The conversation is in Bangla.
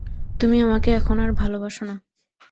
তুমি আমাকে এখন আর ভালোবাসো না।